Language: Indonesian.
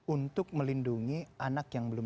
untuk melindungi anak yang belum